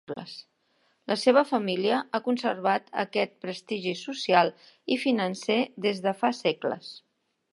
La seva família ha conservat aquest prestigi social i financer des de fa segles.